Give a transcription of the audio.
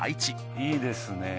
いいですねぇ。